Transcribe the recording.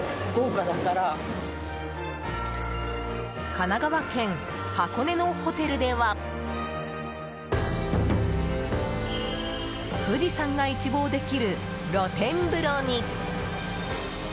神奈川県箱根のホテルでは富士山が一望できる露天風呂に。